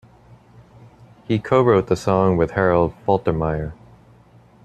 He co-wrote the song with Harold Faltermeyer.